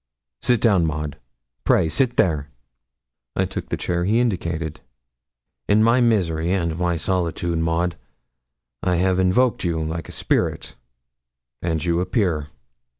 'Sit down, Maud pray sit there.' I took the chair he indicated. 'In my misery and my solitude, Maud, I have invoked you like a spirit, and you appear.'